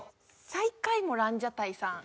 最下位もランジャタイさん。